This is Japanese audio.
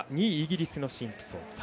２位、イギリスのシンプソン。